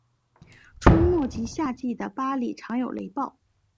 春末及夏季的巴里常有雷暴。